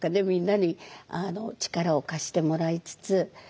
みんなに力を貸してもらいつつ。